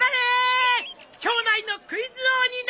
町内のクイズ王になるんじゃ！